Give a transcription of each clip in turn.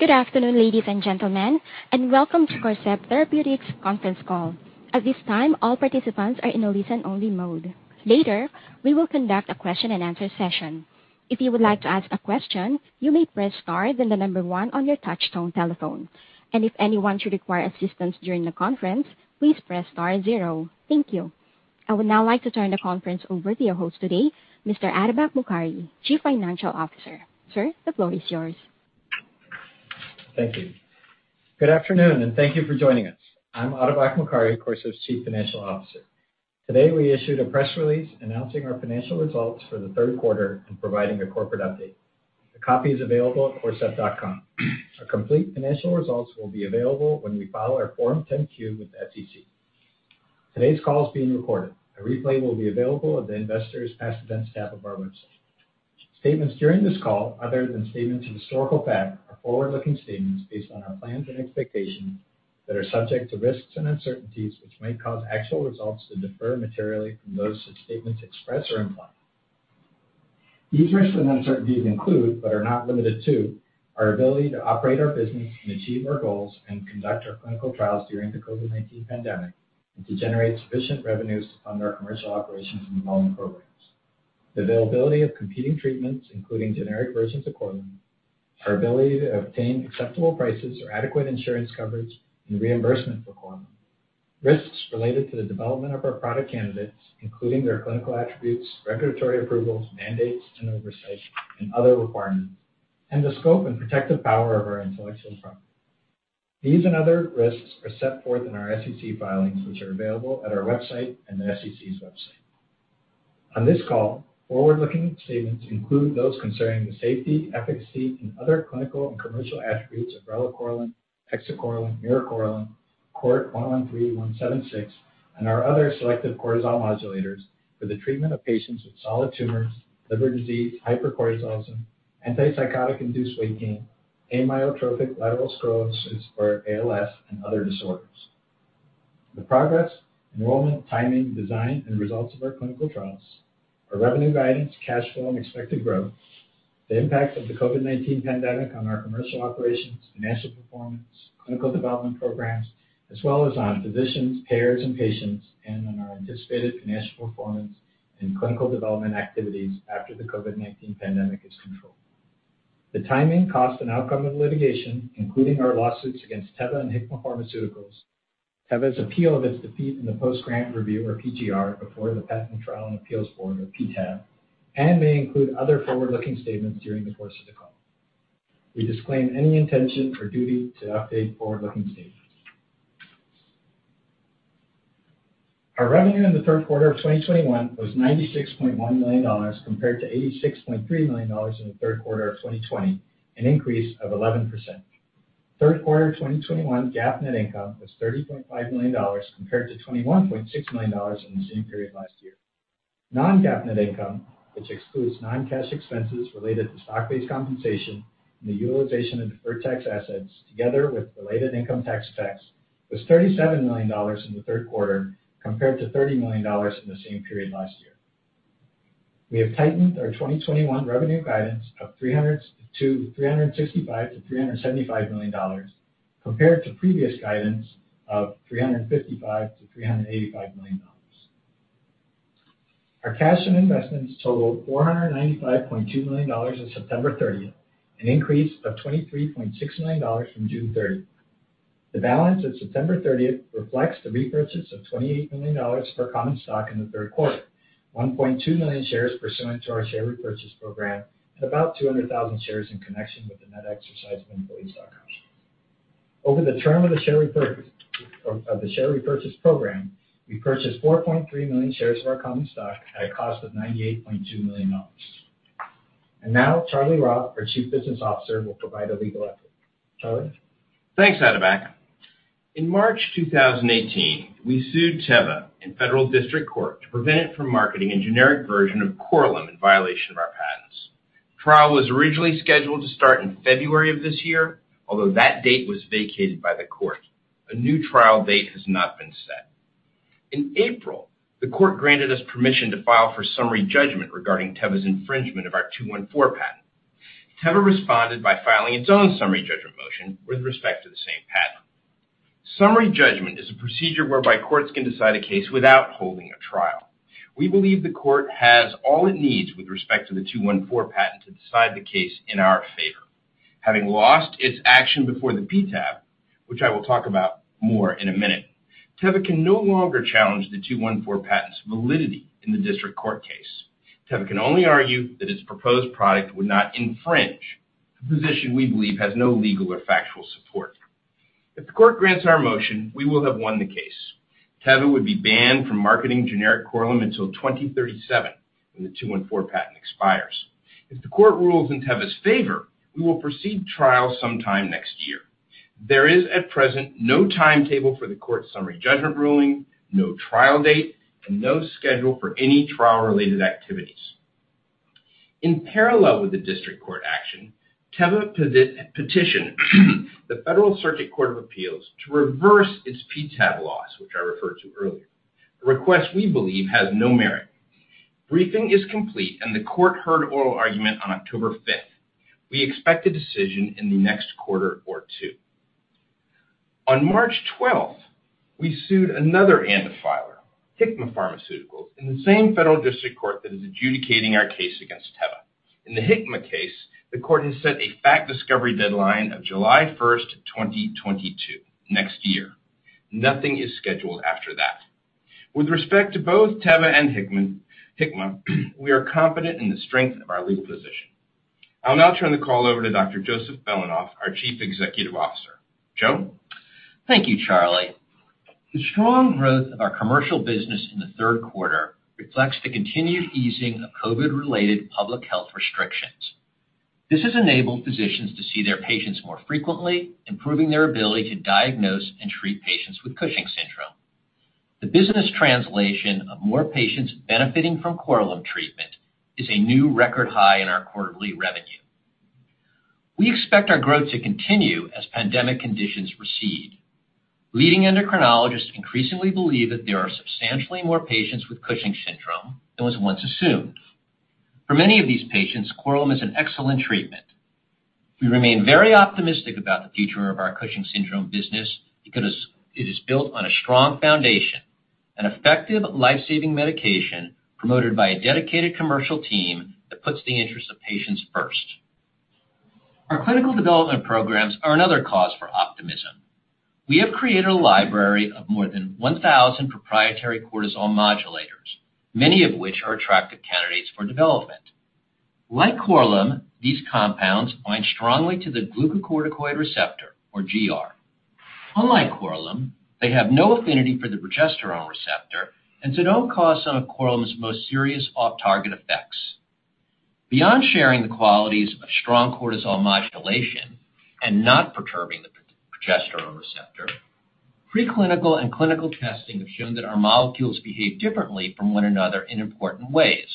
Good afternoon, ladies and gentlemen, and welcome to Corcept Therapeutics conference call. At this time, all participants are in a listen-only mode. Later, we will conduct a question-and-answer session. If you would like to ask a question, you may press star then the number one on your touchtone telephone. If anyone should require assistance during the conference, please press star zero. Thank you. I would now like to turn the conference over to your host today, Mr. Atabak Mokari, Chief Financial Officer. Sir, the floor is yours. Thank you. Good afternoon, and thank you for joining us. I'm Atabak Mokari, Corcept's Chief Financial Officer. Today, we issued a press release announcing our financial results for the third quarter and providing a corporate update. The copy is available at corcept.com. Our complete financial results will be available when we file our Form 10-Q with the SEC. Today's call is being recorded. A replay will be available at the Investors' Past Events tab of our website. Statements during this call, other than statements of historical fact, are forward-looking statements based on our plans and expectations that are subject to risks and uncertainties, which may cause actual results to differ materially from those such statements express or imply. These risks and uncertainties include, but are not limited to, our ability to operate our business and achieve our goals and conduct our clinical trials during the COVID-19 pandemic and to generate sufficient revenues to fund our commercial operations and enrollment programs. The availability of competing treatments, including generic versions of Korlym, our ability to obtain acceptable prices or adequate insurance coverage and reimbursement for Korlym. Risks related to the development of our product candidates, including their clinical attributes, regulatory approvals, mandates, and oversight and other requirements, and the scope and protective power of our intellectual property. These and other risks are set forth in our SEC filings, which are available at our website and the SEC's website. On this call, forward-looking statements include those concerning the safety, efficacy, and other clinical and commercial attributes of relacorilant, exicorilant, miricorilant, CORT113176, and our other selective cortisol modulators for the treatment of patients with solid tumors, liver disease, hypercortisolism, antipsychotic-induced weight gain, amyotrophic lateral sclerosis, or ALS, and other disorders. The progress, enrollment, timing, design, and results of our clinical trials, our revenue guidance, cash flow, and expected growth, the impact of the COVID-19 pandemic on our commercial operations, financial performance, clinical development programs, as well as on physicians, payers, and patients and on our anticipated financial performance and clinical development activities after the COVID-19 pandemic is controlled. The timing, cost, and outcome of litigation, including our lawsuits against Teva and Hikma Pharmaceuticals, Teva's appeal of its defeat in the Post-Grant Review or PGR before the Patent Trial and Appeal Board or PTAB, and may include other forward-looking statements during the course of the call. We disclaim any intention or duty to update forward-looking statements. Our revenue in the third quarter of 2021 was $96.1 million compared to $86.3 million in the third quarter of 2020, an increase of 11%. Third quarter of 2021 GAAP net income was $30 million compared to $21.6 million in the same period last year. Non-GAAP net income, which excludes non-cash expenses related to stock-based compensation and the utilization of deferred tax assets together with related income tax expense, was $37 million in the third quarter compared to $30 million in the same period last year. We have tightened our 2021 revenue guidance of $365 million-$375 million compared to previous guidance of $355 million-$385 million. Our cash and investments totaled $495.2 million on September 30th, an increase of $23.6 million from June 30th. The balance at September 30 reflects the repurchase of $28 million for common stock in the third quarter, 1.2 million shares pursuant to our share repurchase program, and about 200,000 shares in connection with the net exercise of employee stock options. Over the term of the share repurchase program, we purchased 4.3 million shares of our common stock at a cost of $98.2 million. Now Charlie Robb, our Chief Business Officer, will provide a legal update. Charlie? Thanks, Atabak. In March 2018, we sued Teva in federal district court to prevent it from marketing a generic version of Korlym in violation of our patents. Trial was originally scheduled to start in February of this year, although that date was vacated by the court. A new trial date has not been set. In April, the court granted us permission to file for summary judgment regarding Teva's infringement of our 214 patent. Teva responded by filing its own summary judgment motion with respect to the same patent. Summary judgment is a procedure whereby courts can decide a case without holding a trial. We believe the court has all it needs with respect to the 214 patent to decide the case in our favor. Having lost its action before the PTAB, which I will talk about more in a minute, Teva can no longer challenge the 214 patent's validity in the district court case. Teva can only argue that its proposed product would not infringe, a position we believe has no legal or factual support. If the court grants our motion, we will have won the case. Teva would be banned from marketing generic Korlym until 2037, when the 214 patent expires. If the court rules in Teva's favor, we will proceed to trial sometime next year. There is at present no timetable for the court summary judgment ruling, no trial date, and no schedule for any trial-related activities. In parallel with the district court action, Teva petitioned the Federal Circuit Court of Appeals to reverse its PTAB loss, which I referred to earlier. A request we believe has no merit. Briefing is complete, and the court heard oral argument on October 5. We expect a decision in the next quarter or two. On March 12, we sued another ANDA filer, Hikma Pharmaceuticals, in the same federal district court that is adjudicating our case against Teva. In the Hikma case, the court has set a fact discovery deadline of July 1, 2022, next year. Nothing is scheduled after that. With respect to both Teva and Hikma, we are confident in the strength of our legal position. I'll now turn the call over to Dr. Joseph Belanoff, our Chief Executive Officer. Joe? Thank you, Charlie. The strong growth of our commercial business in the third quarter reflects the continued easing of COVID-related public health restrictions. This has enabled physicians to see their patients more frequently, improving their ability to diagnose and treat patients with Cushing's syndrome. The business translation of more patients benefiting from Korlym treatment is a new record high in our quarterly revenue. We expect our growth to continue as pandemic conditions recede. Leading endocrinologists increasingly believe that there are substantially more patients with Cushing's syndrome than was once assumed. For many of these patients, Korlym is an excellent treatment. We remain very optimistic about the future of our Cushing's syndrome business because it is built on a strong foundation, an effective life-saving medication promoted by a dedicated commercial team that puts the interests of patients first. Our clinical development programs are another cause for optimism. We have created a library of more than 1,000 proprietary cortisol modulators, many of which are attractive candidates for development. Like Korlym, these compounds bind strongly to the glucocorticoid receptor, or GR. Unlike Korlym, they have no affinity for the progesterone receptor and so don't cause some of Korlym's most serious off-target effects. Beyond sharing the qualities of strong cortisol modulation and not perturbing the progesterone receptor, preclinical and clinical testing have shown that our molecules behave differently from one another in important ways.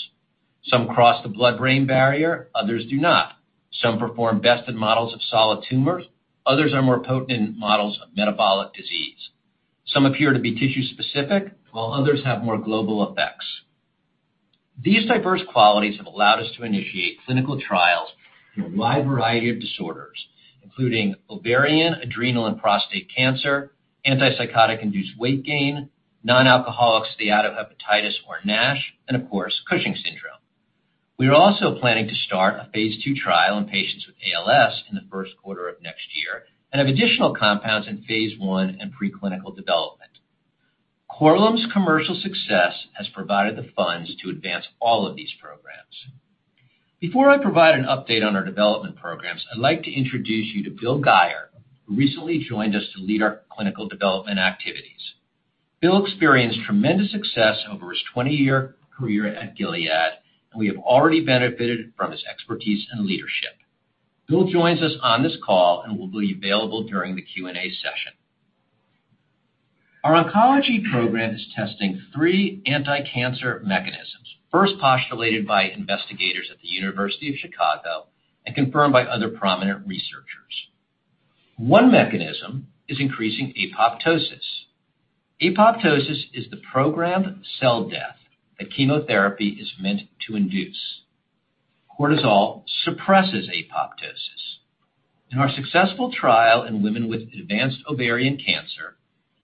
Some cross the blood-brain barrier, others do not. Some perform best in models of solid tumors. Others are more potent in models of metabolic disease. Some appear to be tissue-specific, while others have more global effects. These diverse qualities have allowed us to initiate clinical trials in a wide variety of disorders, including ovarian, adrenal, and prostate cancer, antipsychotic-induced weight gain, non-alcoholic steatohepatitis or NASH, and, of course, Cushing's syndrome. We are also planning to start a phase II trial in patients with ALS in the first quarter of next year and have additional compounds in phase I and preclinical development. Korlym's commercial success has provided the funds to advance all of these programs. Before I provide an update on our development programs, I'd like to introduce you to Bill Guyer, who recently joined us to lead our clinical development activities. Bill experienced tremendous success over his 20-year career at Gilead, and we have already benefited from his expertise and leadership. Bill joins us on this call and will be available during the Q&A session. Our oncology program is testing three anti-cancer mechanisms, first postulated by investigators at the University of Chicago and confirmed by other prominent researchers. One mechanism is increasing apoptosis. Apoptosis is the programmed cell death that chemotherapy is meant to induce. Cortisol suppresses apoptosis. In our successful trial in women with advanced ovarian cancer,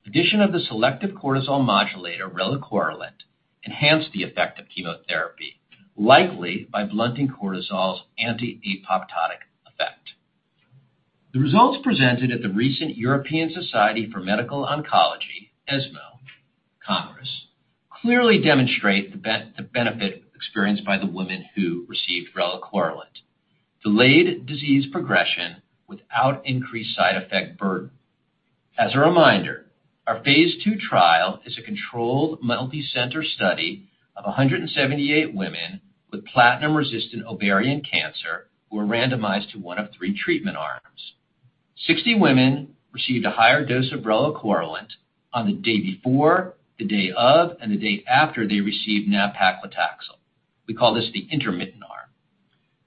addition of the selective cortisol modulator, relacorilant, enhanced the effect of chemotherapy, likely by blunting cortisol's anti-apoptotic effect. The results presented at the recent European Society for Medical Oncology, ESMO Congress, clearly demonstrate the benefit experienced by the women who received relacorilant. Delayed disease progression without increased side effect burden. As a reminder, our phase II trial is a controlled multicenter study of 178 women with platinum-resistant ovarian cancer who were randomized to one of three treatment arms. 60 women received a higher dose of relacorilant on the day before, the day of, and the day after they received nab-paclitaxel. We call this the intermittent arm.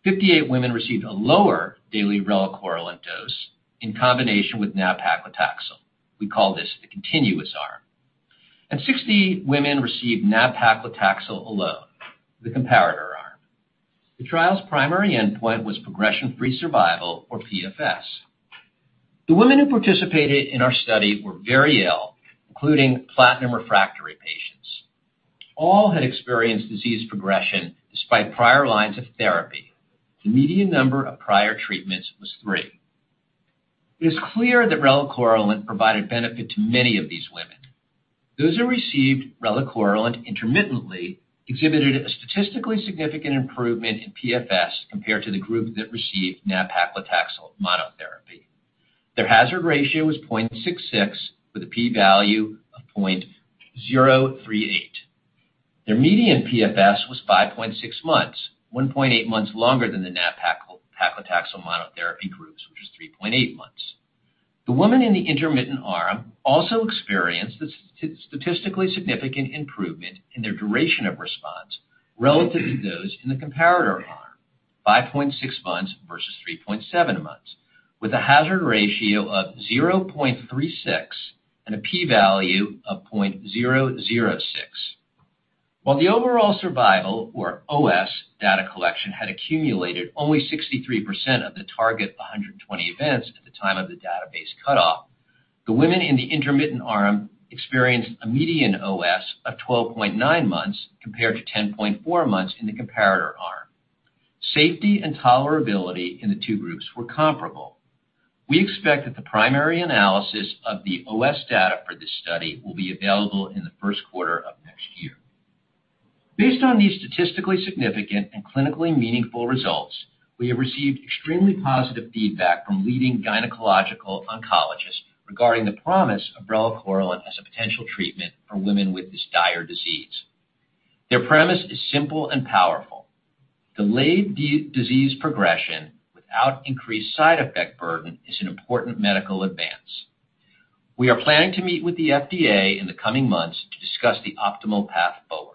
58 women received a lower daily relacorilant dose in combination with nab-paclitaxel. We call this the continuous arm. 60 women received nab-paclitaxel alone, the comparator arm. The trial's primary endpoint was progression-free survival, or PFS. The women who participated in our study were very ill, including platinum-refractory patients. All had experienced disease progression despite prior lines of therapy. The median number of prior treatments was three. It is clear that relacorilant provided benefit to many of these women. Those who received relacorilant intermittently exhibited a statistically significant improvement in PFS compared to the group that received nab-paclitaxel monotherapy. Their hazard ratio was 0.66 with a P value of 0.038. Their median PFS was 5.6 months, 1.8 months longer than the nab-paclitaxel monotherapy groups, which was 3.8 months. The women in the intermittent arm also experienced a statistically significant improvement in their duration of response relative to those in the comparator arm. 5.6 months versus 3.7 months, with a hazard ratio of 0.36 and a p-value of 0.006. While the overall survival, or OS, data collection had accumulated only 63% of the target 120 events at the time of the database cutoff, the women in the intermittent arm experienced a median OS of 12.9 months compared to 10.4 months in the comparator arm. Safety and tolerability in the two groups were comparable. We expect that the primary analysis of the OS data for this study will be available in the first quarter of next year. Based on these statistically significant and clinically meaningful results, we have received extremely positive feedback from leading gynecologic oncologists regarding the promise of relacorilant as a potential treatment for women with this dire disease. Their premise is simple and powerful. Delayed disease progression without increased side effect burden is an important medical advance. We are planning to meet with the FDA in the coming months to discuss the optimal path forward.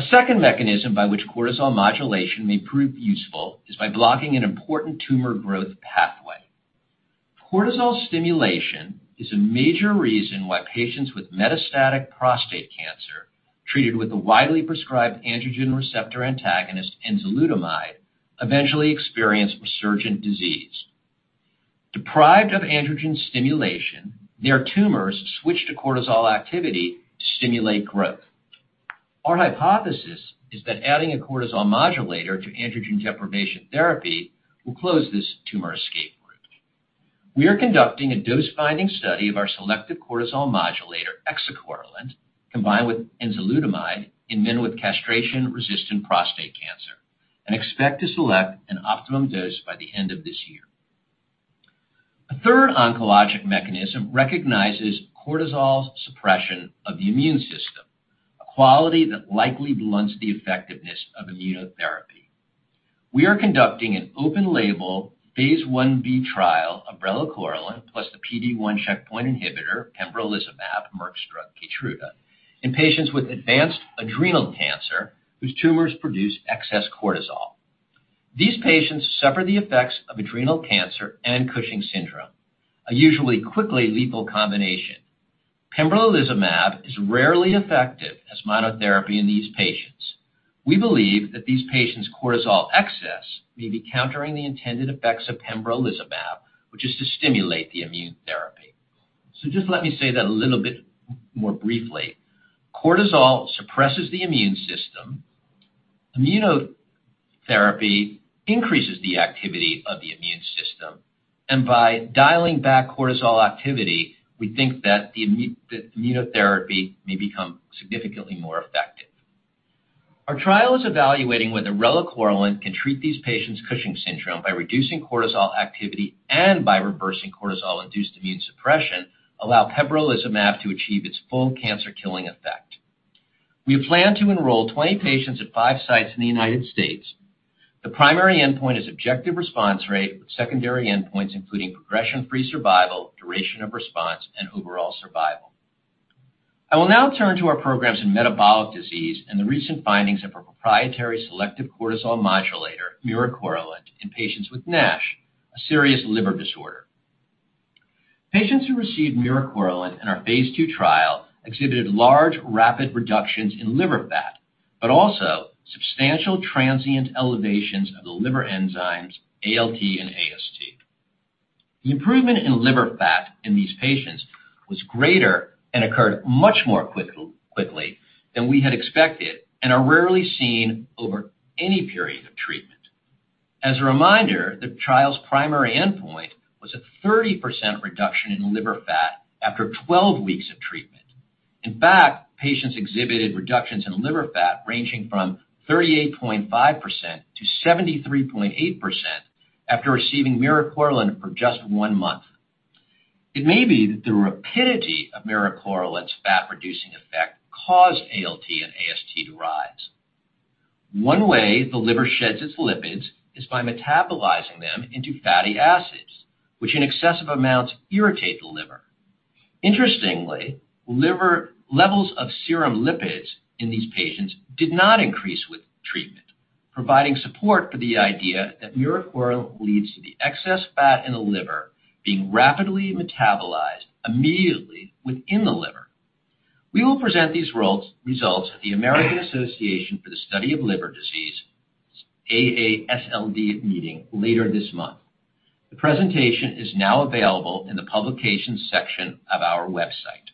A second mechanism by which cortisol modulation may prove useful is by blocking an important tumor growth pathway. Cortisol stimulation is a major reason why patients with metastatic prostate cancer treated with the widely prescribed androgen receptor antagonist enzalutamide eventually experience resurgent disease. Deprived of androgen stimulation, their tumors switch to cortisol activity to stimulate growth. Our hypothesis is that adding a cortisol modulator to androgen deprivation therapy will close this tumor escape route. We are conducting a dose-finding study of our selective cortisol modulator, exicorilant, combined with enzalutamide in men with castration-resistant prostate cancer and expect to select an optimum dose by the end of this year. A third oncologic mechanism recognizes cortisol's suppression of the immune system, a quality that likely blunts the effectiveness of immunotherapy. We are conducting an open-label phase I-B trial of relacorilant plus the PD-1 checkpoint inhibitor pembrolizumab, Merck's drug KEYTRUDA, in patients with advanced adrenal cancer whose tumors produce excess cortisol. These patients suffer the effects of adrenal cancer and Cushing's syndrome, a usually quickly lethal combination. Pembrolizumab is rarely effective as monotherapy in these patients. We believe that these patients' cortisol excess may be countering the intended effects of pembrolizumab, which is to stimulate the immunotherapy. Just let me say that a little bit more briefly. Cortisol suppresses the immune system. Immunotherapy increases the activity of the immune system, and by dialing back cortisol activity, we think that the immunotherapy may become significantly more effective. Our trial is evaluating whether relacorilant can treat these patients' Cushing's syndrome by reducing cortisol activity and by reversing cortisol-induced immune suppression, allowing pembrolizumab to achieve its full cancer-killing effect. We plan to enroll 20 patients at five sites in the United States. The primary endpoint is objective response rate, with secondary endpoints including progression-free survival, duration of response, and overall survival. I will now turn to our programs in metabolic disease and the recent findings of our proprietary selective cortisol modulator, miricorilant, in patients with NASH, a serious liver disorder. Patients who received miricorilant in our phase II trial exhibited large, rapid reductions in liver fat, but also substantial transient elevations of the liver enzymes ALT and AST. The improvement in liver fat in these patients was greater and occurred much more quickly than we had expected and are rarely seen over any period of treatment. As a reminder, the trial's primary endpoint was a 30% reduction in liver fat after 12 weeks of treatment. In fact, patients exhibited reductions in liver fat ranging from 38.5%-73.8% after receiving miricorilant for just one month. It may be that the rapidity of miricorilant's fat-reducing effect caused ALT and AST to rise. One way the liver sheds its lipids is by metabolizing them into fatty acids, which in excessive amounts irritate the liver. Interestingly, liver levels of serum lipids in these patients did not increase with treatment, providing support for the idea that miricorilant leads to the excess fat in the liver being rapidly metabolized immediately within the liver. We will present these results at the American Association for the Study of Liver Diseases AASLD meeting later this month. The presentation is now available in the publications section of our website.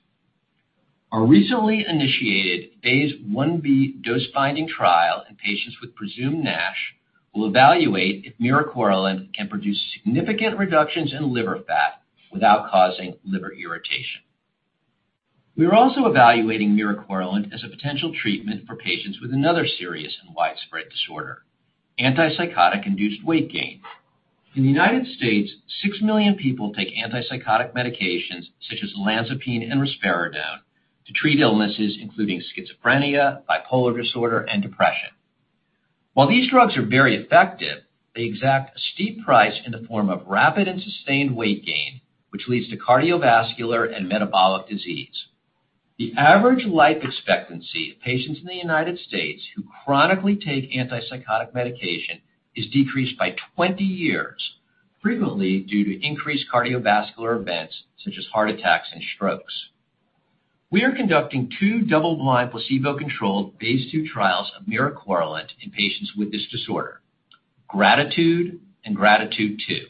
Our recently initiated phase I-B dose-finding trial in patients with presumed NASH will evaluate if miricorilant can produce significant reductions in liver fat without causing liver irritation. We are also evaluating miricorilant as a potential treatment for patients with another serious and widespread disorder, antipsychotic-induced weight gain. In the United States, six million people take antipsychotic medications such as olanzapine and risperidone to treat illnesses including schizophrenia, bipolar disorder, and depression. While these drugs are very effective, they exact a steep price in the form of rapid and sustained weight gain, which leads to cardiovascular and metabolic disease. The average life expectancy of patients in the United States who chronically take antipsychotic medication is decreased by 20 years, frequently due to increased cardiovascular events such as heart attacks and strokes. We are conducting two double-blind, placebo-controlled phase II trials of miricorilant in patients with this disorder, GRATITUDE and GRATITUDE II.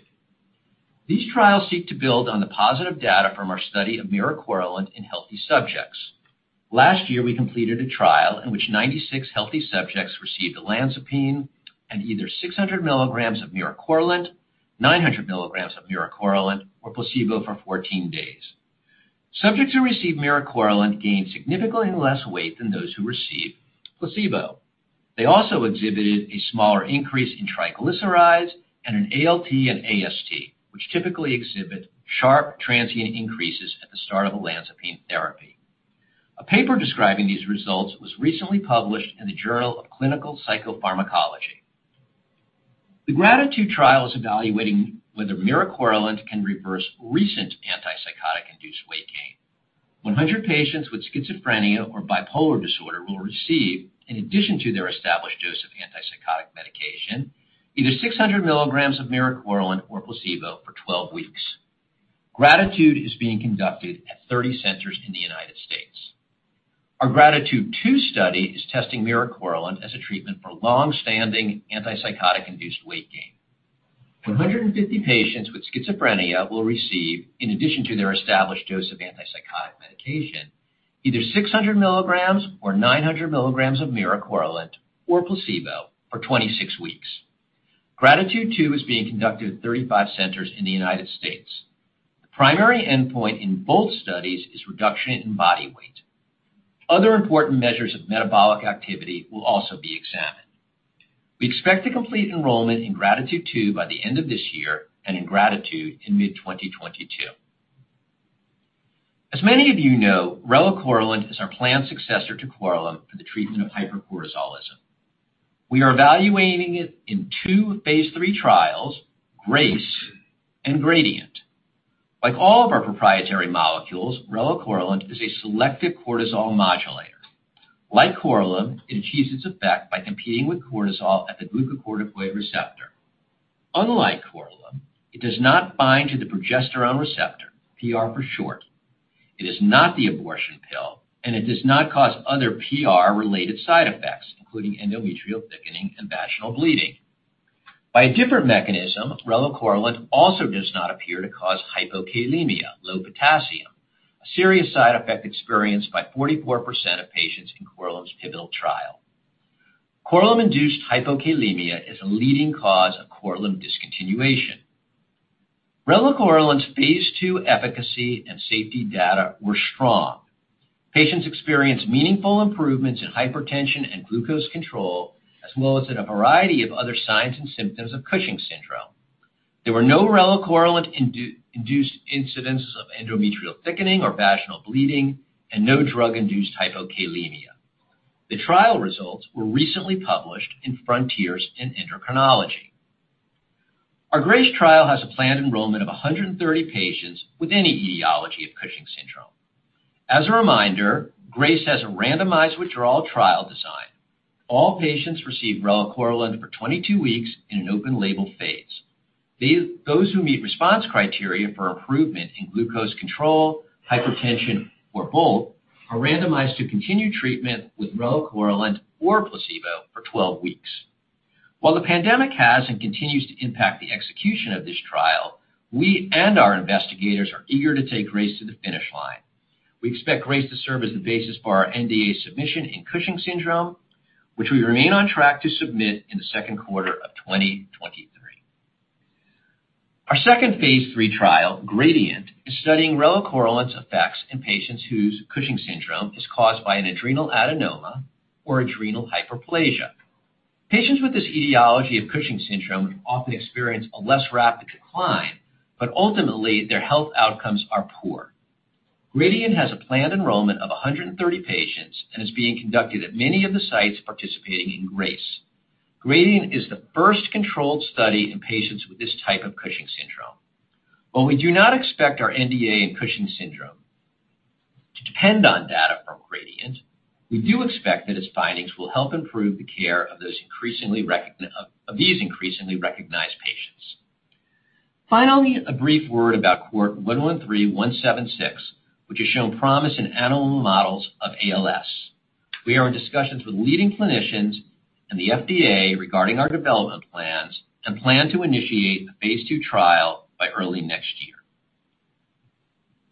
These trials seek to build on the positive data from our study of miricorilant in healthy subjects. Last year, we completed a trial in which 96 healthy subjects received olanzapine and either 600 milligrams of miricorilant, 900 milligrams of miricorilant, or placebo for 14 days. Subjects who received miricorilant gained significantly less weight than those who received placebo. They also exhibited a smaller increase in triglycerides and an ALT and AST, which typically exhibit sharp transient increases at the start of olanzapine therapy. A paper describing these results was recently published in the Journal of Clinical Psychopharmacology. The GRATITUDE trial is evaluating whether miricorilant can reverse recent antipsychotic-induced weight gain. 100 patients with schizophrenia or bipolar disorder will receive, in addition to their established dose of antipsychotic medication, either 600 mg of miricorilant or placebo for 12 weeks. GRATITUDE is being conducted at 30 centers in the United States. Our GRATITUDE II study is testing miricorilant as a treatment for long-standing antipsychotic-induced weight gain. 150 patients with schizophrenia will receive, in addition to their established dose of antipsychotic medication, either 600 mg or 900 mg of miricorilant or placebo for 26 weeks. GRATITUDE II is being conducted at 35 centers in the United States. The primary endpoint in both studies is reduction in body weight. Other important measures of metabolic activity will also be examined. We expect to complete enrollment in GRATITUDE II by the end of this year and in GRATITUDE in mid-2022. As many of you know, relacorilant is our planned successor to Korlym for the treatment of hypercortisolism. We are evaluating it in two phase III trials, GRACE and GRADIENT. Like all of our proprietary molecules, relacorilant is a selective cortisol modulator. Like Korlym, it achieves its effect by competing with cortisol at the glucocorticoid receptor. Unlike Korlym, it does not bind to the progesterone receptor, PR for short. It is not the abortion pill, and it does not cause other PR-related side effects, including endometrial thickening and vaginal bleeding. By a different mechanism, relacorilant also does not appear to cause hypokalemia, low potassium, a serious side effect experienced by 44% of patients in Korlym's pivotal trial. Korlym-induced hypokalemia is a leading cause of Korlym discontinuation. Relacorilant's phase II efficacy and safety data were strong. Patients experienced meaningful improvements in hypertension and glucose control, as well as in a variety of other signs and symptoms of Cushing's syndrome. There were no relacorilant-induced incidences of endometrial thickening or vaginal bleeding and no drug-induced hypokalemia. The trial results were recently published in Frontiers in Endocrinology. Our GRACE trial has a planned enrollment of 130 patients with any etiology of Cushing's syndrome. As a reminder, GRACE has a randomized withdrawal trial design. All patients receive relacorilant for 22 weeks in an open-label phase. Those who meet response criteria for improvement in glucose control, hypertension, or both are randomized to continue treatment with relacorilant or placebo for 12 weeks. While the pandemic has and continues to impact the execution of this trial, we and our investigators are eager to take GRACE to the finish line. We expect GRACE to serve as the basis for our NDA submission in Cushing's syndrome, which we remain on track to submit in the second quarter of 2023. Our second phase III trial, GRADIENT, is studying relacorilant's effects in patients whose Cushing's syndrome is caused by an adrenal adenoma or adrenal hyperplasia. Patients with this etiology of Cushing's syndrome can often experience a less rapid decline, but ultimately their health outcomes are poor. GRADIENT has a planned enrollment of 130 patients and is being conducted at many of the sites participating in GRACE. GRADIENT is the first controlled study in patients with this type of Cushing's syndrome. While we do not expect our NDA in Cushing's syndrome to depend on data from GRADIENT, we do expect that its findings will help improve the care of those increasingly recognized patients. Finally, a brief word about CORT113176, which has shown promise in animal models of ALS. We are in discussions with leading clinicians and the FDA regarding our development plans and plan to initiate a phase II trial by early next year.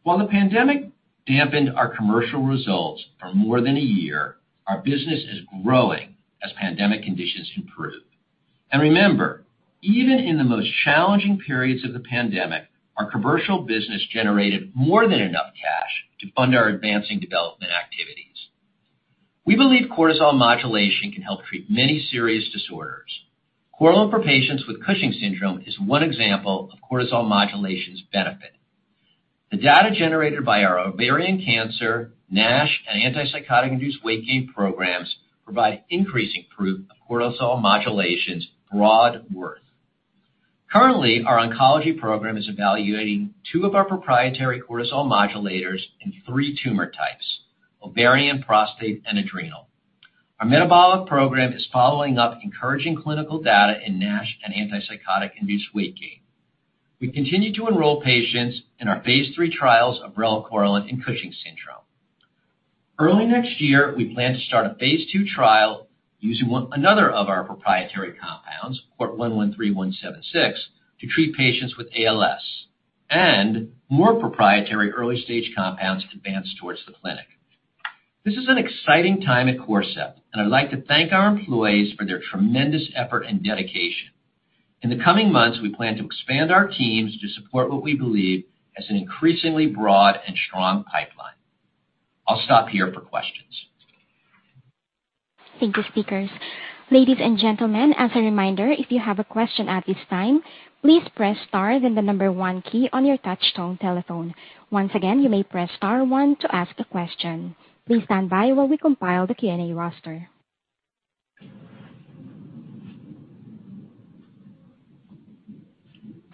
While the pandemic dampened our commercial results for more than a year, our business is growing as pandemic conditions improve. Remember, even in the most challenging periods of the pandemic, our commercial business generated more than enough cash to fund our advancing development activities. We believe cortisol modulation can help treat many serious disorders. Korlym for patients with Cushing's syndrome is one example of cortisol modulation's benefit. The data generated by our ovarian cancer, NASH, and antipsychotic-induced weight gain programs provide increasing proof of cortisol modulation's broad worth. Currently, our oncology program is evaluating two of our proprietary cortisol modulators in three tumor types, ovarian, prostate, and adrenal. Our metabolic program is following up encouraging clinical data in NASH and antipsychotic-induced weight gain. We continue to enroll patients in our phase III trials of relacorilant in Cushing's syndrome. Early next year, we plan to start a phase II trial using another of our proprietary compounds, CORT113176, to treat patients with ALS and more proprietary early stage compounds to advance towards the clinic. This is an exciting time at Corcept, and I'd like to thank our employees for their tremendous effort and dedication. In the coming months, we plan to expand our teams to support what we believe is an increasingly broad and strong pipeline. I'll stop here for questions. Thank you, speakers. Ladies and gentlemen, as a reminder, if you have a question at this time, please press star then the number one key on your touch tone telephone. Once again, you may press star one to ask a question. Please stand by while we compile the Q&A roster.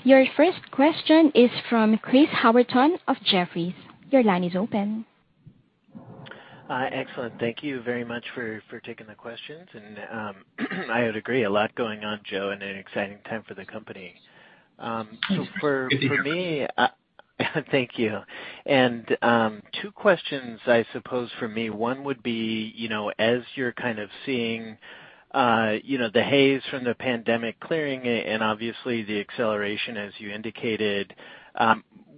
Your first question is from Chris Howerton of Jefferies. Your line is open. Excellent. Thank you very much for taking the questions. I would agree, a lot going on, Joe, and an exciting time for the company. So for- Thank you. For me, thank you. Two questions I suppose for me. One would be, you know, as you're kind of seeing, you know, the haze from the pandemic clearing and obviously the acceleration as you indicated,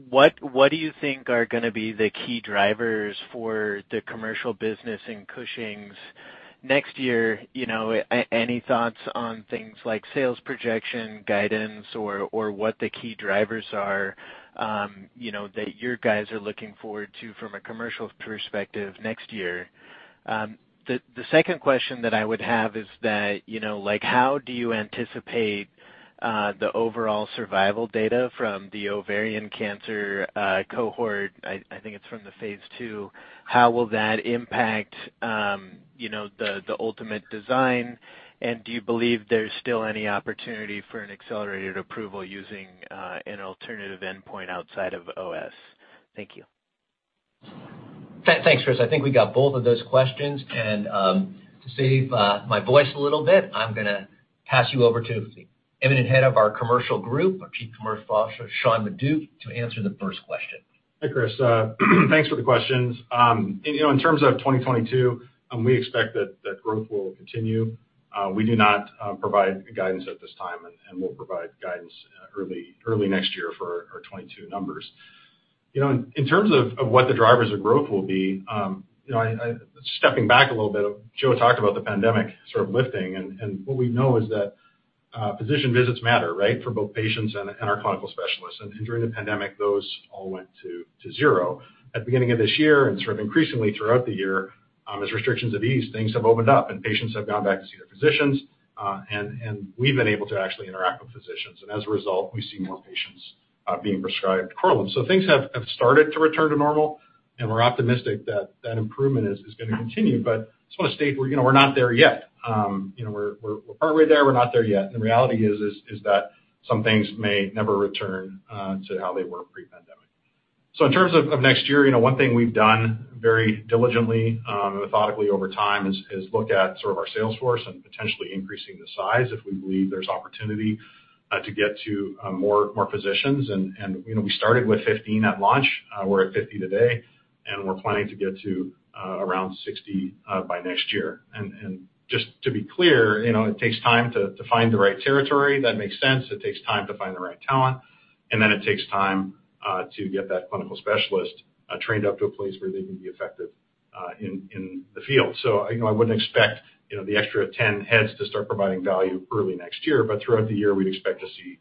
what do you think are gonna be the key drivers for the commercial business in Cushing's next year? You know, any thoughts on things like sales projection, guidance or what the key drivers are, you know, that you guys are looking forward to from a commercial perspective next year? The second question that I would have is that, you know, like, how do you anticipate the overall survival data from the ovarian cancer cohort? I think it's from phase II. How will that impact, you know, the ultimate design? Do you believe there's still any opportunity for an accelerated approval using an alternative endpoint outside of OS? Thank you. Thanks, Chris. I think we got both of those questions. To save my voice a little bit, I'm gonna pass you over to the eminent head of our commercial group, our Chief Commercial Officer, Sean Maduck, to answer the first question. Hi, Chris. Thanks for the questions. You know, in terms of 2022, we expect that growth will continue. We do not provide guidance at this time, and we'll provide guidance early next year for our 2022 numbers. You know, in terms of what the drivers of growth will be, you know, stepping back a little bit, Joe talked about the pandemic sort of lifting and what we know is that physician visits matter, right? For both patients and our clinical specialists. During the pandemic, those all went to zero. At the beginning of this year and sort of increasingly throughout the year, as restrictions have eased, things have opened up and patients have gone back to see their physicians, and we've been able to actually interact with physicians. As a result, we see more patients being prescribed Korlym. Things have started to return to normal, and we're optimistic that that improvement is gonna continue. I just wanna state, you know, we're not there yet. You know, we're partway there, we're not there yet. The reality is that some things may never return to how they were pre-pandemic. In terms of next year, you know, one thing we've done very diligently and methodically over time is look at sort of our sales force and potentially increasing the size if we believe there's opportunity to get to more physicians. You know, we started with 15 at launch, we're at 50 today, and we're planning to get to around 60 by next year. Just to be clear, you know, it takes time to find the right territory. That makes sense. It takes time to find the right talent, and then it takes time to get that clinical specialist trained up to a place where they can be effective in the field. You know, I wouldn't expect, you know, the extra 10 heads to start providing value early next year. Throughout the year, we'd expect to see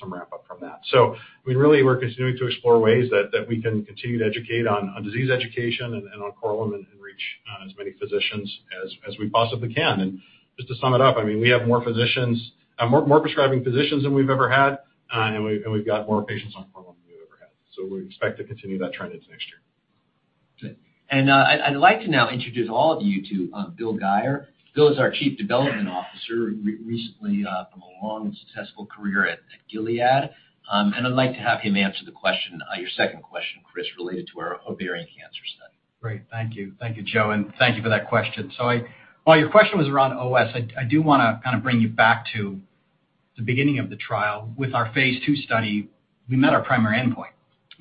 some ramp up from that. I mean, really, we're continuing to explore ways that we can continue to educate on disease education and on Korlym and reach as many physicians as we possibly can. Just to sum it up, I mean, we have more physicians, more prescribing physicians than we've ever had, and we've got more patients on Korlym than we've ever had. We expect to continue that trend into next year. I'd like to now introduce all of you to Bill Guyer. Bill is our Chief Development Officer recently from a long and successful career at Gilead. I'd like to have him answer the question your second question, Chris Howerton, related to our ovarian cancer study. Great. Thank you. Thank you, Joe, and thank you for that question. I while your question was around OS, I do wanna kind of bring you back to the beginning of the trial. With our phase II study, we met our primary endpoint,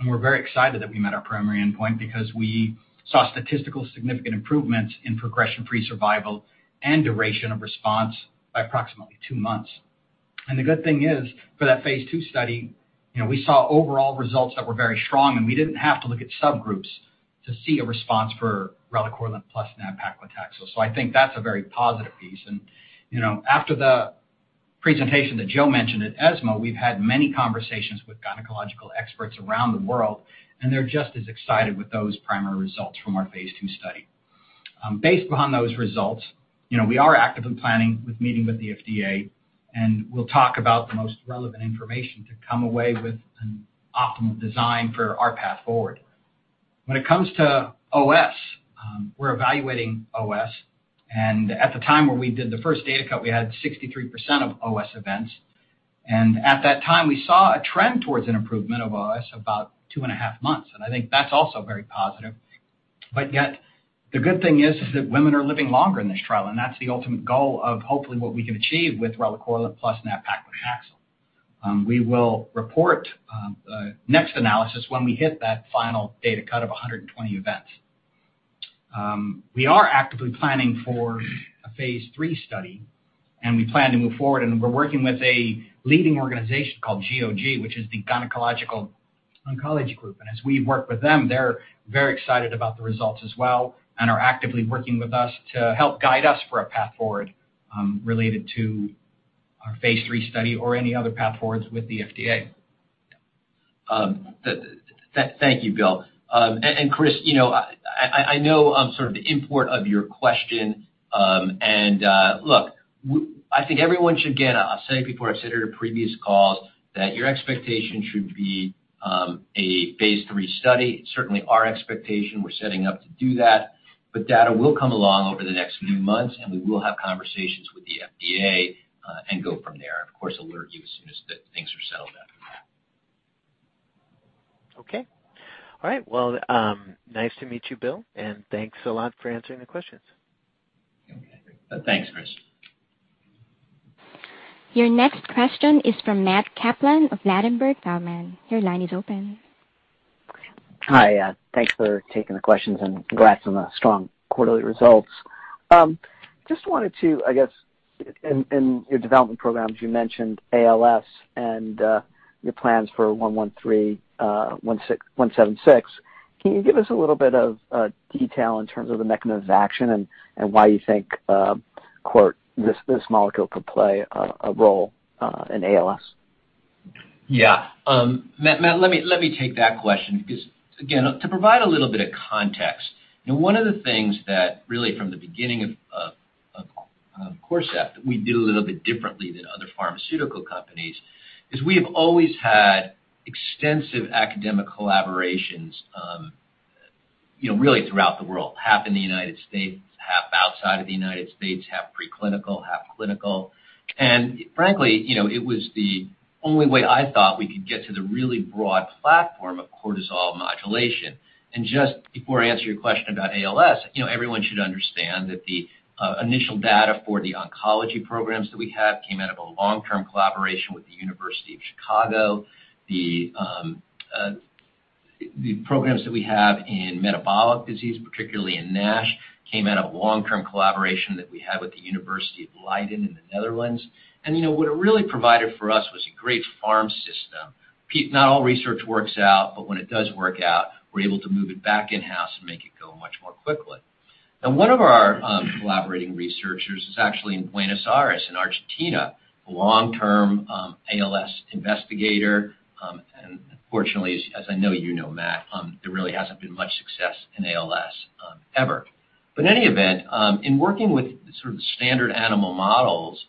and we're very excited that we met our primary endpoint because we saw statistically significant improvements in progression-free survival and duration of response by approximately two months. The good thing is, for that phase II study, you know, we saw overall results that were very strong, and we didn't have to look at subgroups to see a response for relacorilant plus nab-paclitaxel. I think that's a very positive piece. You know, after the presentation that Joe mentioned at ESMO, we've had many conversations with gynecologic experts around the world, and they're just as excited with those primary results from our phase II study. Based upon those results, you know, we are actively planning a meeting with the FDA, and we'll talk about the most relevant information to come up with an optimal design for our path forward. When it comes to OS, we're evaluating OS, and at the time where we did the first data cut, we had 63% of OS events. At that time, we saw a trend towards an improvement of OS about 2.5 months, and I think that's also very positive. Yet, the good thing is that women are living longer in this trial, and that's the ultimate goal of hopefully what we can achieve with relacorilant plus nab-paclitaxel. We will report next analysis when we hit that final data cut of 120 events. We are actively planning for a phase III study, and we plan to move forward, and we're working with a leading organization called GOG, which is the Gynecologic Oncology Group. As we work with them, they're very excited about the results as well and are actively working with us to help guide us for a path forward, related to our phase III study or any other path forwards with the FDA. Thank you, Bill. Chris, you know, I know sort of the import of your question, and look, I think everyone should get, I'll say it before I've said it at a previous call, that your expectation should be a phase III study. Certainly our expectation, we're setting up to do that. Data will come along over the next few months, and we will have conversations with the FDA, and go from there. Of course, alert you as soon as the things are settled down. Okay. All right. Well, nice to meet you, Bill, and thanks a lot for answering the questions. Okay. Thanks, Chris. Your next question is from Matt Kaplan of Ladenburg Thalmann. Your line is open. Hi. Thanks for taking the questions, and congrats on the strong quarterly results. Just wanted to, I guess, in your development programs, you mentioned ALS and your plans for CORT113176. Can you give us a little bit of detail in terms of the mechanism of action and why you think, quote, "this molecule could play a role in ALS? Yeah. Matt, let me take that question because, again, to provide a little bit of context, you know, one of the things that really from the beginning of Corcept that we did a little bit differently than other pharmaceutical companies is we have always had extensive academic collaborations, you know, really throughout the world. Half in the United States, half outside of the United States, half preclinical, half clinical. Frankly, you know, it was the only way I thought we could get to the really broad platform of cortisol modulation. Just before I answer your question about ALS, you know, everyone should understand that the initial data for the oncology programs that we have came out of a long-term collaboration with the University of Chicago. The programs that we have in metabolic disease, particularly in NASH, came out of long-term collaboration that we had with Leiden University in the Netherlands. You know, what it really provided for us was a great farm system. Not all research works out, but when it does work out, we're able to move it back in-house and make it go much more quickly. One of our collaborating researchers is actually in Buenos Aires in Argentina, a long-term ALS investigator. Unfortunately, as I know you know, Matt, there really hasn't been much success in ALS ever. In any event, in working with sort of the standard animal models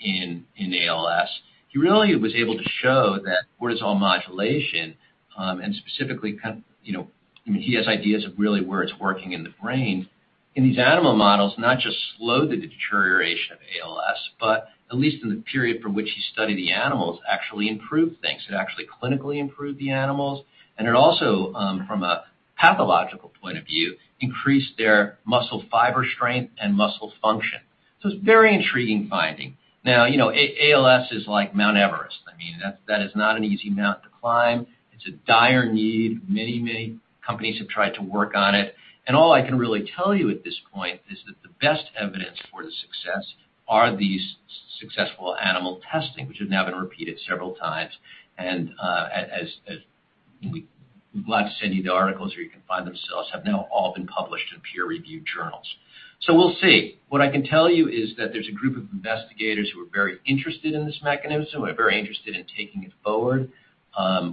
in ALS, he really was able to show that cortisol modulation and specifically kind... You know, I mean, he has ideas of really where it's working in the brain. In these animal models, not just slowed the deterioration of ALS, but at least in the period for which he studied the animals, actually improved things. It actually clinically improved the animals, and it also, from a pathological point of view, increased their muscle fiber strength and muscle function. It's very intriguing finding. Now, you know, ALS is like Mount Everest. I mean, that is not an easy mount to climb. It's a dire need. Many, many companies have tried to work on it. All I can really tell you at this point is that the best evidence for the success are these successful animal testing, which have now been repeated several times. As we... We'd love to send you the articles or you can find them. They've now all been published in peer-reviewed journals. We'll see. What I can tell you is that there's a group of investigators who are very interested in this mechanism and are very interested in taking it forward.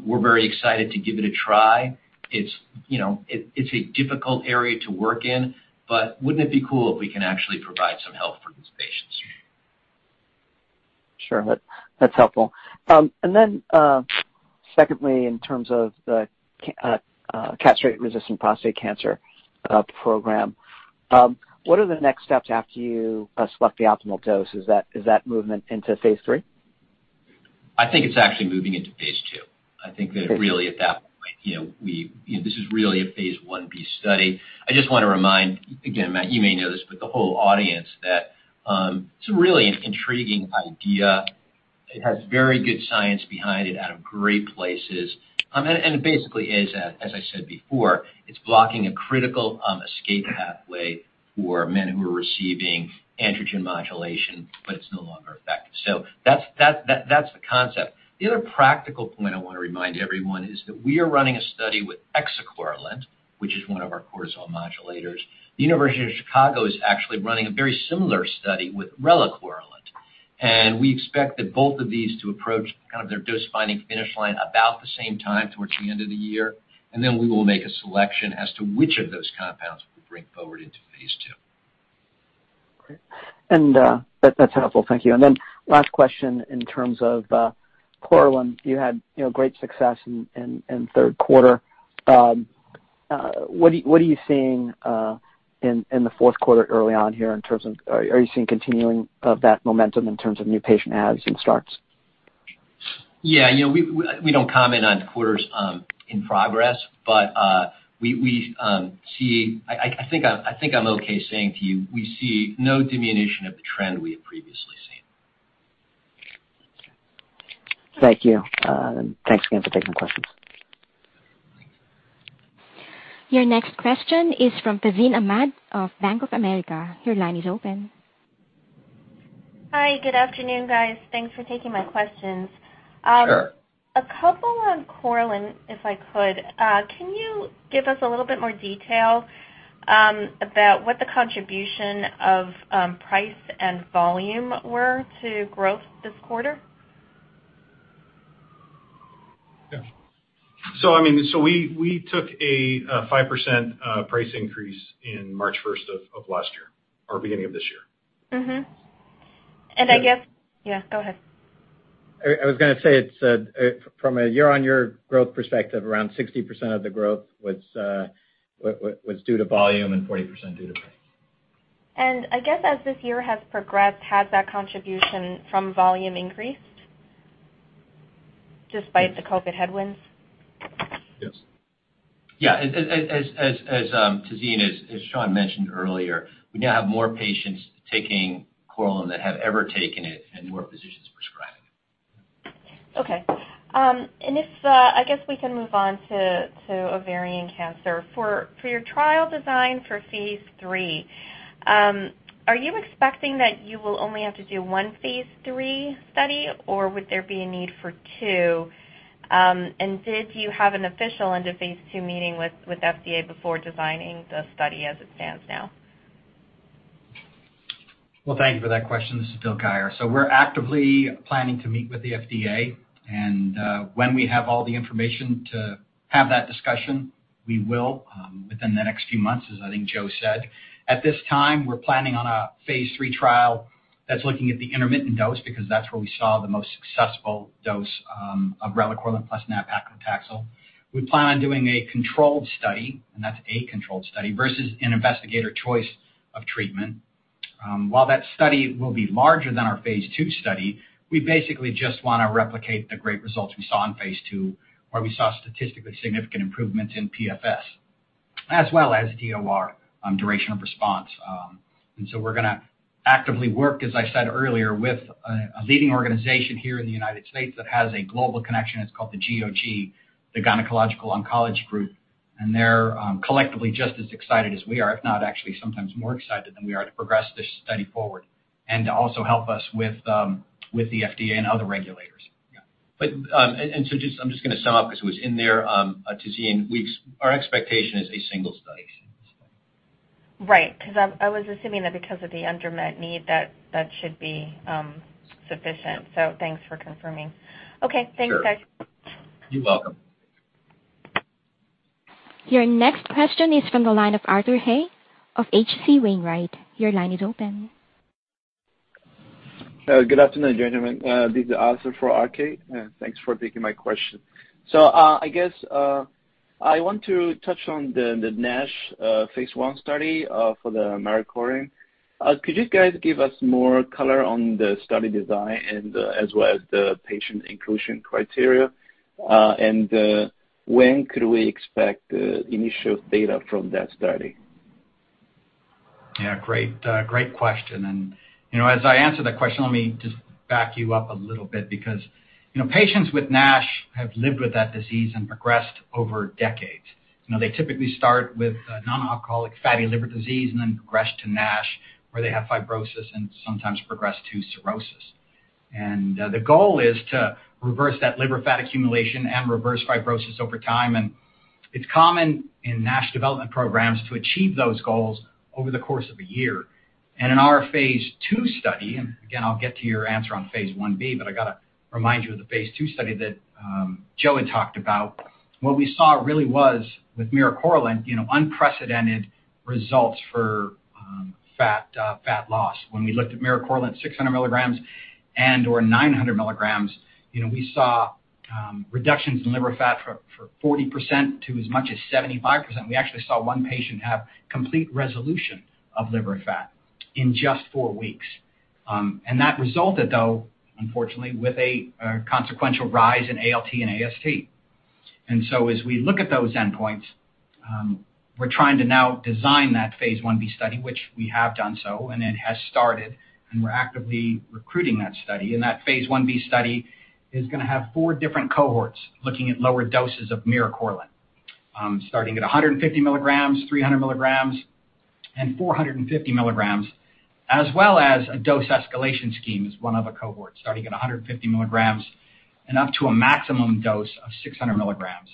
We're very excited to give it a try. It's, you know, it's a difficult area to work in, but wouldn't it be cool if we can actually provide some help for these patients? Sure. That's helpful. Secondly, in terms of the castrate-resistant prostate cancer program, what are the next steps after you select the optimal dose? Is that movement into phase III? I think it's actually moving into phase II. I think that really at that point, you know, You know, this is really a phase I-B study. I just wanna remind, again, Matt, you may know this, but the whole audience that it's really an intriguing idea. It has very good science behind it out of great places. It basically is, as I said before, it's blocking a critical escape pathway for men who are receiving androgen modulation, but it's no longer effective. So that's the concept. The other practical point I wanna remind everyone is that we are running a study with exicorilant, which is one of our cortisol modulators. The University of Chicago is actually running a very similar study with relacorilant, and we expect that both of these to approach kind of their dose-finding finish line about the same time towards the end of the year. We will make a selection as to which of those compounds we bring forward into phase III. Great. That's helpful. Thank you. Then last question in terms of Korlym, you had, you know, great success in third quarter. What are you seeing in the fourth quarter early on here in terms of are you seeing continuing of that momentum in terms of new patient adds and starts? Yeah, you know, we don't comment on quarters in progress, but I think I'm okay saying to you, we see no diminution of the trend we have previously seen. Thank you. Thanks again for taking the questions. Your next question is from Tazeen Ahmad of Bank of America. Your line is open. Hi. Good afternoon, guys. Thanks for taking my questions. Sure. A couple on Korlym, if I could. Can you give us a little bit more detail about what the contribution of price and volume were to growth this quarter? Yeah. I mean, we took a 5% price increase in March 1st of last year or beginning of this year. Mm-hmm. So- I guess. Yeah, go ahead. I was gonna say it's from a year-on-year growth perspective, around 60% of the growth was due to volume and 40% due to price. I guess as this year has progressed, has that contribution from volume increased despite the COVID headwinds? Yes. As Tazeen, as Sean mentioned earlier, we now have more patients taking Korlym than have ever taken it, and more physicians prescribing it. Okay. If I guess we can move on to ovarian cancer. For your trial design for phase III, are you expecting that you will only have to do one phase III study, or would there be a need for two? Did you have an official end of phase II meeting with FDA before designing the study as it stands now? Well, thank you for that question. This is Bill Guyer. We're actively planning to meet with the FDA, and when we have all the information to have that discussion, we will within the next few months, as I think Joe said. At this time, we're planning on a phase III trial that's looking at the intermittent dose because that's where we saw the most successful dose of relacorilant plus nab-paclitaxel. We plan on doing a controlled study, and that's a controlled study versus an investigator choice of treatment. While that study will be larger than our phase II study, we basically just wanna replicate the great results we saw in phase II, where we saw statistically significant improvements in PFS as well as DOR, duration of response. We're gonna actively work, as I said earlier, with a leading organization here in the United States that has a global connection. It's called the GOG, the Gynecologic Oncology Group. They're collectively just as excited as we are, if not actually sometimes more excited than we are, to progress this study forward and to also help us with the FDA and other regulators. I'm just gonna sum up 'cause it was in there, Tazeen. Our expectation is a single study. Right. 'Cause I was assuming that because of the unmet need that that should be sufficient. Thanks for confirming. Okay. Sure. Thanks, guys. You're welcome. Your next question is from the line of Arthur He of H.C. Wainwright. Your line is open. Good afternoon, gentlemen. This is Arthur for R.K., and thanks for taking my question. I guess I want to touch on the NASH phase I study for the miricorilant. Could you guys give us more color on the study design and as well as the patient inclusion criteria? When could we expect initial data from that study? Yeah, great. Great question. You know, as I answer that question, let me just back you up a little bit because you know, patients with NASH have lived with that disease and progressed over decades. You know, they typically start with non-alcoholic fatty liver disease and then progress to NASH, where they have fibrosis and sometimes progress to cirrhosis. The goal is to reverse that liver fat accumulation and reverse fibrosis over time. It's common in NASH development programs to achieve those goals over the course of a year. In our phase II study, and again, I'll get to your answer on phase I-B, but I gotta remind you of the phase II study that Joe had talked about. What we saw really was with miricorilant, you know, unprecedented results for fat loss. When we looked at miricorilant 600 milligrams and/or 900 milligrams, you know, we saw reductions in liver fat for 40%-75%. We actually saw one patient have complete resolution of liver fat in just four weeks. And that resulted, though, unfortunately, with a consequential rise in ALT and AST. As we look at those endpoints, we're trying to now design that phase I-B study, which we have done so, and it has started, and we're actively recruiting that study. That phase I-B study is gonna have four different cohorts looking at lower doses of miricorilant, starting at 150 milligrams, 300 milligrams, and 450 milligrams, as well as a dose escalation scheme is one other cohort starting at 150 milligrams and up to a maximum dose of 600 milligrams.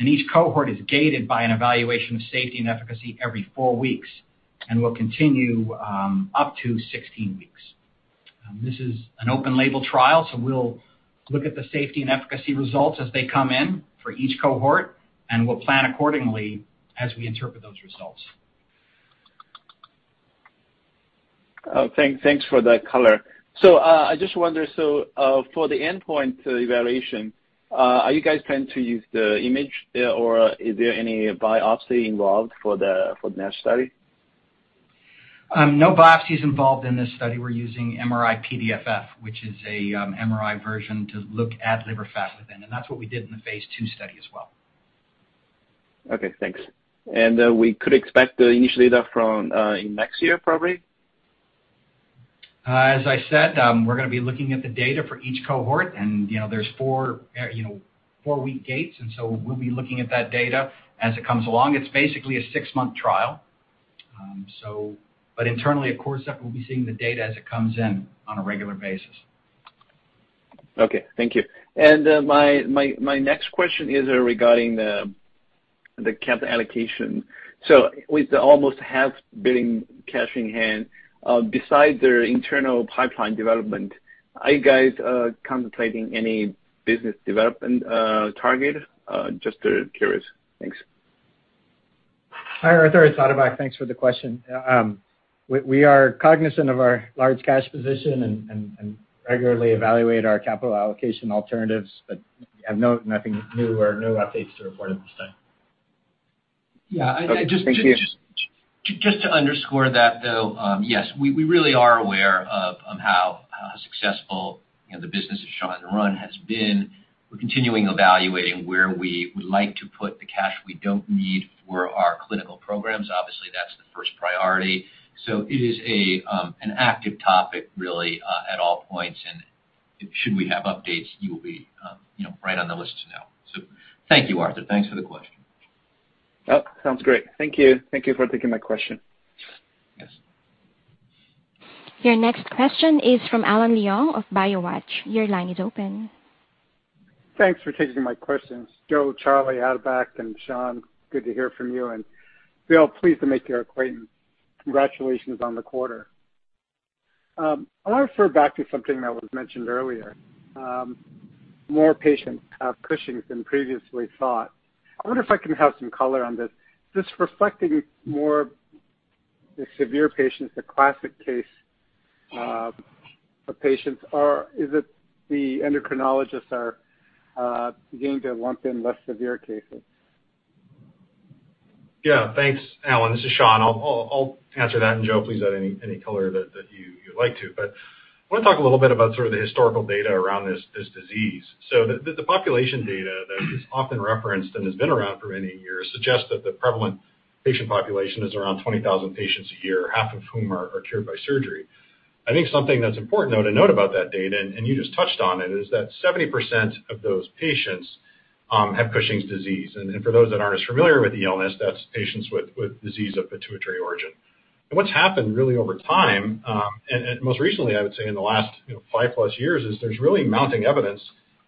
Each cohort is gated by an evaluation of safety and efficacy every four weeks and will continue up to 16 weeks. This is an open-label trial, so we'll look at the safety and efficacy results as they come in for each cohort, and we'll plan accordingly as we interpret those results. Thanks for that color. I just wonder for the endpoint evaluation, are you guys planning to use the image, or is there any biopsy involved for the next study? No biopsies involved in this study. We're using MRI-PDFF, which is a MRI version to look at liver fat within, and that's what we did in the phase II study as well. Okay, thanks. We could expect the initial data from in next year, probably? As I said, we're gonna be looking at the data for each cohort and, you know, there's four, you know, four-week gates, and so we'll be looking at that data as it comes along. It's basically a six-month trial. Internally, of course, that we'll be seeing the data as it comes in on a regular basis. Okay, thank you. My next question is regarding the capital allocation. With almost $500 million cash in hand, besides their internal pipeline development, are you guys contemplating any business development target? Just curious. Thanks. Hi, Arthur, it's Atabak. Thanks for the question. We are cognizant of our large cash position and regularly evaluate our capital allocation alternatives, but have nothing new or no updates to report at this time. Yeah. I just- Just to underscore that, though, yes, we really are aware of how successful, you know, the business Sean run has been. We're continuing evaluating where we would like to put the cash we don't need for our clinical programs. Obviously, that's the first priority. It is an active topic really at all points and should we have updates, you'll be, you know, right on the list to know. Thank you, Arthur. Thanks for the question. Oh, sounds great. Thank you. Thank you for taking my question. Yes. Your next question is from Alan Leong of BioWatch. Your line is open. Thanks for taking my questions. Joe, Charlie, Atabak, and Sean, good to hear from you, and we are pleased to make your acquaintance. Congratulations on the quarter. I wanna refer back to something that was mentioned earlier. More patients have Cushing's than previously thought. I wonder if I can have some color on this. Is this reflecting more the severe patients, the classic case of patients, or is it the endocrinologists are beginning to lump in less severe cases? Yeah. Thanks, Alan. This is Sean. I'll answer that, and Joe, please add any color that you'd like to. I wanna talk a little bit about sort of the historical data around this disease. The population data that is often referenced and has been around for many years suggests that the prevalent patient population is around 20,000 patients a year, half of whom are cured by surgery. I think something that's important, though, to note about that data, and you just touched on it, is that 70% of those patients have Cushing's disease. For those that aren't as familiar with the illness, that's patients with disease of pituitary origin. What's happened really over time, and most recently, I would say in the last, you know, five-plus years, is there's really mounting evidence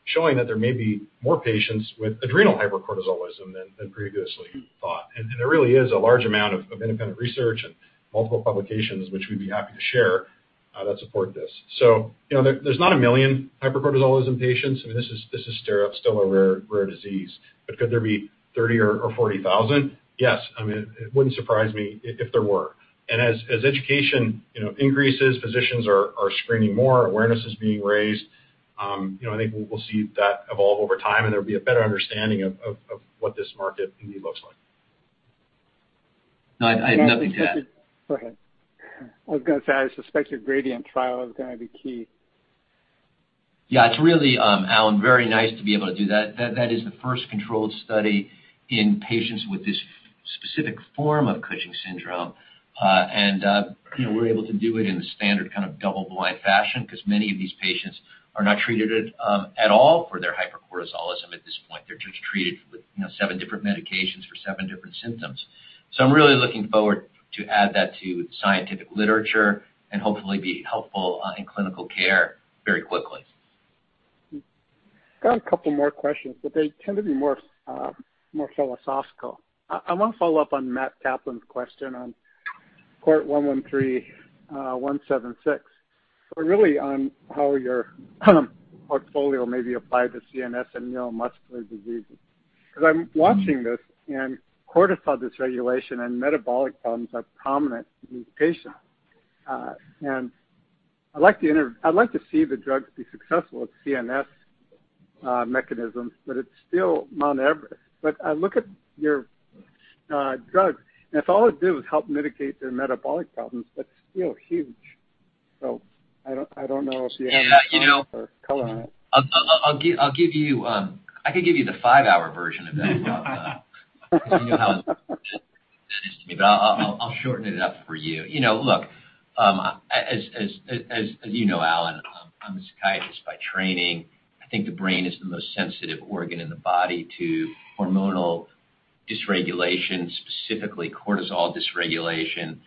showing that there may be more patients with adrenal hypercortisolism than previously thought. There really is a large amount of independent research and multiple publications, which we'd be happy to share, that support this. You know, there's not one million hypercortisolism patients. I mean, this is still a rare disease. Could there be 30,000 or 40,000? Yes. I mean, it wouldn't surprise me if there were. As education, you know, increases, physicians are screening more, awareness is being raised, you know, I think we'll see that evolve over time, and there'll be a better understanding of what this market indeed looks like. No, I have nothing to add. Go ahead. I was gonna say, I suspect your GRADIENT trial is gonna be key. Yeah. It's really, Alan, very nice to be able to do that. That is the first controlled study in patients with this specific form of Cushing's syndrome. You know, we're able to do it in a standard kind of double-blind fashion 'cause many of these patients are not treated at all for their hypercortisolism at this point. They're just treated with, you know, seven different medications for seven different symptoms. I'm really looking forward to add that to scientific literature and hopefully be helpful in clinical care very quickly. Got a couple more questions, but they tend to be more philosophical. I wanna follow up on Matt Kaplan's question on CORT113176, but really on how your portfolio may be applied to CNS and neuromuscular diseases. 'Cause I'm watching this and cortisol dysregulation and metabolic problems are prominent in these patients. I'd like to see the drug be successful at CNS mechanisms. I look at your drug, and if all it did was help mitigate their metabolic problems, that's still huge. I don't know if you have any thoughts or color on it. I'll give you the five-hour version of that, Alan. You know how it is to me, but I'll shorten it up for you. You know, look, as you know, Alan, I'm a psychiatrist by training. I think the brain is the most sensitive organ in the body to hormonal dysregulation, specifically cortisol dysregulation.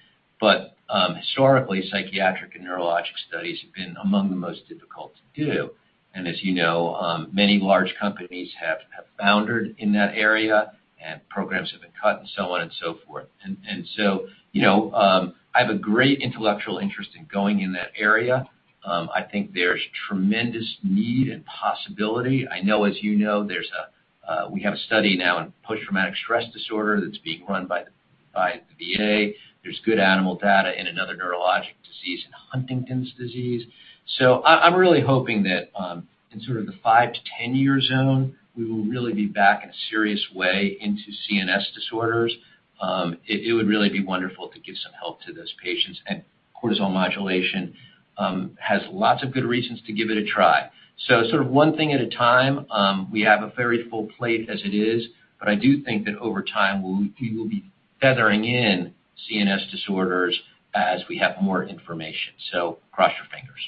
Historically, psychiatric and neurologic studies have been among the most difficult to do. As you know, many large companies have foundered in that area and programs have been cut and so on and so forth. So you know, I have a great intellectual interest in going in that area. I think there's tremendous need and possibility. I know, as you know, there's a we have a study now in post-traumatic stress disorder that's being run by the VA. There's good animal data in another neurologic disease, in Huntington's disease. I'm really hoping that, in sort of the 5-10 year zone, we will really be back in a serious way into CNS disorders. It would really be wonderful to give some help to those patients, and cortisol modulation has lots of good reasons to give it a try. Sort of one thing at a time. We have a very full plate as it is, but I do think that over time, we'll be feathering in CNS disorders as we have more information, cross your fingers.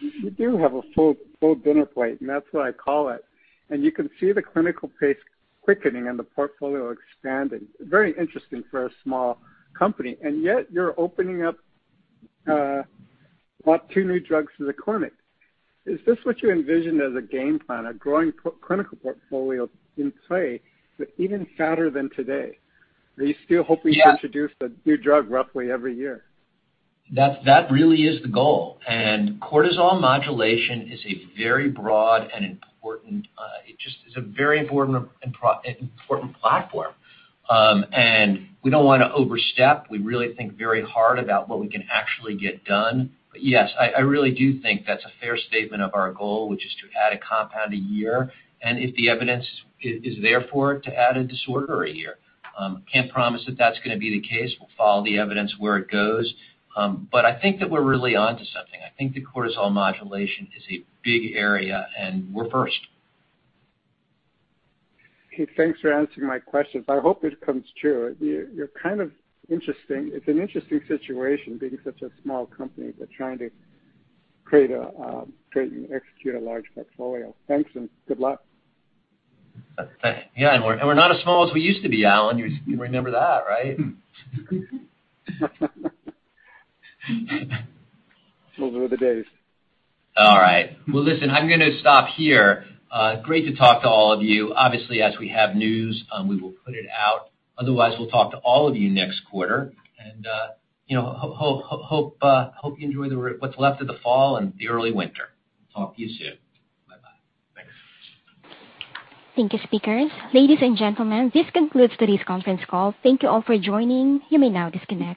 You do have a full dinner plate, and that's what I call it. You can see the clinical pace quickening and the portfolio expanding. Very interesting for a small company, and yet you're opening up about two new drugs to the clinic. Is this what you envision as a game plan, a growing pre-clinical portfolio in play, but even fatter than today? Are you still hoping- Yeah. to introduce a new drug roughly every year? That really is the goal. Cortisol modulation is a very broad and important, it just is a very important platform. We don't wanna overstep. We really think very hard about what we can actually get done. Yes, I really do think that's a fair statement of our goal, which is to add a compound a year, and if the evidence is there for it, to add a disorder a year. Can't promise that that's gonna be the case. We'll follow the evidence where it goes. I think that we're really onto something. I think the cortisol modulation is a big area, and we're first. Okay. Thanks for answering my questions. I hope it comes true. You're kind of interesting. It's an interesting situation being such a small company, but trying to create and execute a large portfolio. Thanks, and good luck. Yeah. We're not as small as we used to be, Alan. You remember that, right? Those were the days. All right. Well, listen, I'm gonna stop here. Great to talk to all of you. Obviously, as we have news, we will put it out. Otherwise, we'll talk to all of you next quarter. You know, hope you enjoy what's left of the fall and the early winter. Talk to you soon. Bye-bye. Thanks. Thank you, speakers. Ladies and gentlemen, this concludes today's conference call. Thank you all for joining. You may now disconnect.